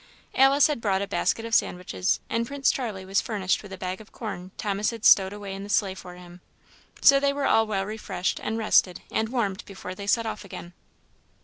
Alice had brought a basket of sandwiches, and Prince Charlie was furnished with a bag of corn Thomas had stowed away in the sleigh for him; so they were all well refreshed and rested and warmed before they set off again.